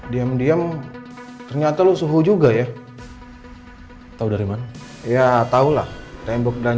diam diam ternyata lu suhu juga ya tahu dari mana ya tahulah tembok dan